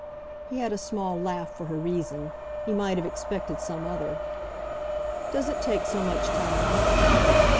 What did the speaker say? He had a small laugh for her reason; he might have expected some other. "Does it take so much time?"